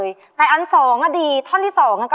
อยากแต่งานกับเธออยากแต่งานกับเธอ